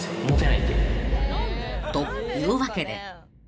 ［というわけで］